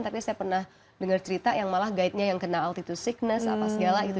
tapi saya pernah dengar cerita yang malah guide nya yang kena altitusigness apa segala gitu